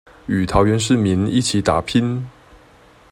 與桃園市民一起打拼